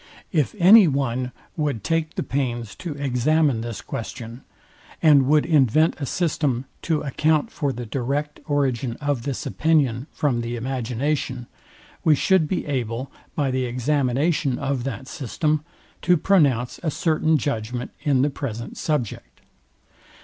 If any one would take the pains to examine this question, and would invent a system, to account for the direct origin of this opinion from the imagination, we should be able, by the examination of that system, to pronounce a certain judgment in the present subject.